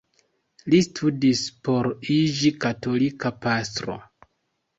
Li studis por iĝi katolika pastro.